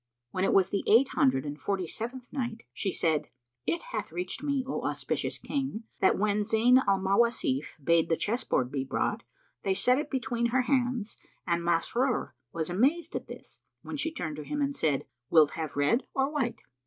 When it was the Eight Hundred and Forty seventh Night, She said, It hath reached me, O auspicious King, that when Zayn al Mawasif bade the chessboard be brought, they set it between her hands; and Masrur was amazed at this, when she turned to him and said, "Wilt have red or white?"